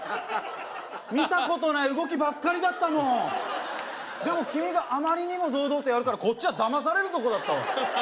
見たことない動きばっかりだったもんでも君があまりにも堂々とやるからこっちはだまされるとこだったわ